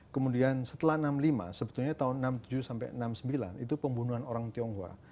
kemudian setelah enam puluh lima sebetulnya tahun seribu sembilan ratus enam puluh tujuh sampai enam puluh sembilan itu pembunuhan orang tionghoa